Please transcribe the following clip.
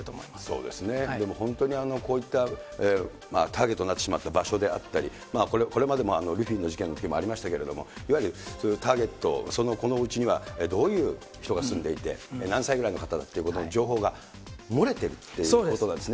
そうですね、でも本当に、こういったターゲットになってしまった場所であったり、これまでもルフィの事件のときもありましたが、ターゲット、このうちにはどういう人が住んでいて、何歳ぐらいの方ということの情報が漏れてるっていうことなんですね。